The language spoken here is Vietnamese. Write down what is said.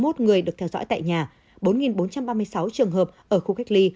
trong đó năm sáu mươi một người được theo dõi tại nhà bốn bốn trăm ba mươi sáu trường hợp ở khu cách ly